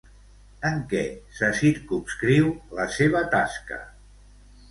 En què se circumscriu la seva tasca?